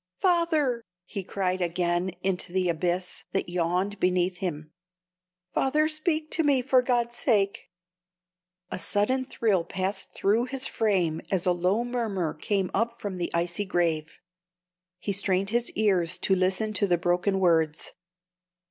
"Father!" he cried again into the abyss that yawned beneath him "father, speak to me, for God's sake!" A sudden thrill passed through his frame as a low murmur came up from the icy grave. He strained his ears to listen to the broken words.